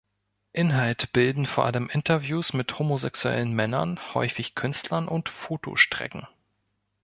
Inhalt bilden vor allem Interviews mit homosexuellen Männern, häufig Künstlern und Fotostrecken.